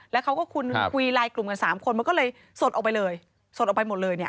แล้วเขาก็คุณคุยไลน์กลุ่มกันสามคนมันก็เลยสดออกไปเลยสดออกไปหมดเลยเนี่ย